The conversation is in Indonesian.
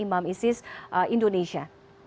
imam isis indonesia